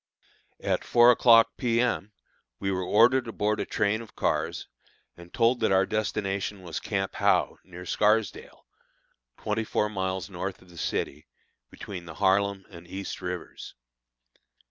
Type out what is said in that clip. At four o'clock P. M. we were ordered aboard a train of cars, and told that our destination was Camp Howe, near Scarsdale, twenty four miles north of the city, between the Harlem and East rivers.